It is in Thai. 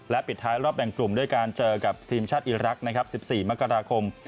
ปิดท้ายรอบแบ่งกลุ่มด้วยการเจอกับทีมชาติอีรักษ์นะครับ๑๔มกราคม